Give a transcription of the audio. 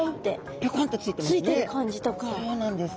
ぴょこんとついてますね。